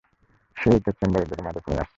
সে ইটের চেম্বারে দিকে মাদক নিয়ে আসছে।